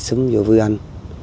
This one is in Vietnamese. xứng vô với anh